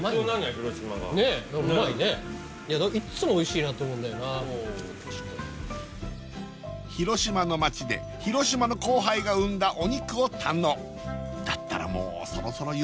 広島がねえうまいねいっつもおいしいなって思うんだよな広島の町で広島の後輩が生んだお肉を堪能だったらもうそろそろ言ってもいいんじゃない？